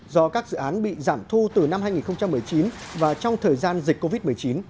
do các dự án bị giảm thu từ năm hai nghìn một mươi chín và trong thời gian dịch covid một mươi chín